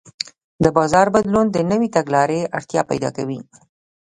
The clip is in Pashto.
د بازار بدلون د نوې تګلارې اړتیا پیدا کوي.